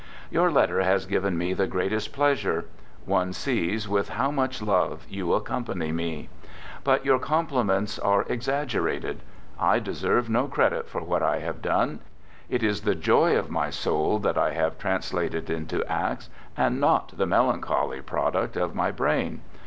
Your letter has given me | the greatest pleasure; one sees with how much love ■ you accompany me. But your compliments are ex aggerated. I deserve no credit for what I have ; done. It is the joy of my soul that I have trans ) lated into acts, and not the melancholy product of ! my brain.